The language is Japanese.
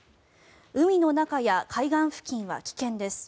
海の中や海岸付近は危険です。